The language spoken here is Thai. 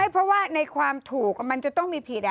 เพราะว่าในความถูกมันจะต้องมีผิด